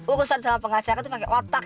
urusan sama pengacara itu pakai otak